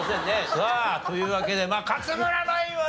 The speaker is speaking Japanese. さあというわけで勝村ナインはね